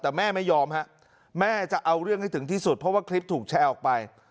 แต่แม่ไม่ยอมฮะแม่จะเอาเรื่องให้ถึงที่สุดเพราะว่าคลิปถูกแชร์ออกไป